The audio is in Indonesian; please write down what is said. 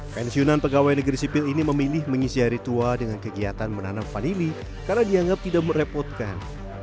pensiunan pegawai negeri sipil ini memilih mengisi hari tua dengan kegiatan menanam vanili karena dianggap tidak merepotkan